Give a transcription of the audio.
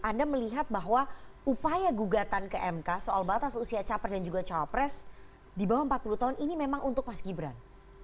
anda melihat bahwa upaya gugatan ke mk soal batas usia capres dan juga cawapres di bawah empat puluh tahun ini memang untuk mas gibran